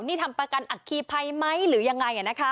นี่ทำประกันอัคคีภัยไหมหรือยังไง